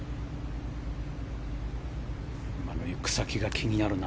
行く先が気になるな。